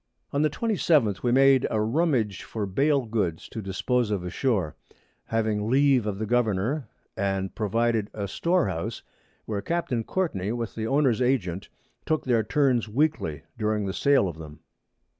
On the 27_th_ we made a Rummage for Bale Goods to dispose of ashore, having Leave of the Governour, and provided a Store house, where Capt. Courtney, with the Owners Agent took their turns weekly during the Sale of them.